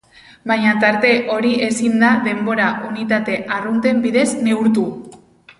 baina tarte hori ezin da denbora-unitate arrunten bidez neurtu.